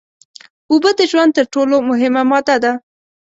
اوبه د ژوند تر ټول مهمه ماده ده